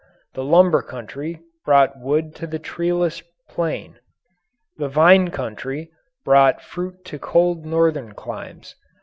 The lumber country brought wood to the treeless plain. The vine country brought fruit to cold northern climes.